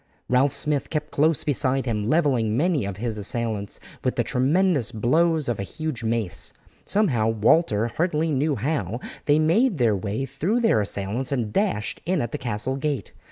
Ralph Smith kept close beside him, levelling many of his assailants with the tremendous blows of a huge mace. Somehow, Walter hardly knew how, they made their way through their assailants and dashed in at the castle gate.